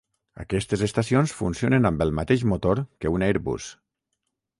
Aquestes estacions funcionen amb el mateix motor que un Airbus.